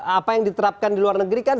apa yang diterapkan di luar negeri kan